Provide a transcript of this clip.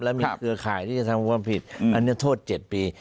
แล้วมีเครือข่ายที่จะทำความผิดอันนี้โทษ๗ปี